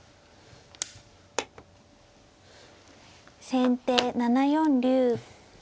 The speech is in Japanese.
先手７四竜。